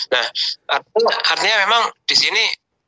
nah artinya memang disini